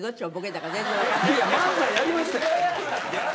いや漫才やりましたやん！